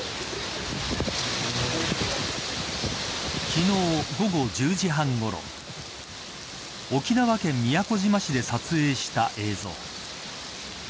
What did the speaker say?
昨日、午後１０時半ごろ沖縄県宮古島市で撮影した映像。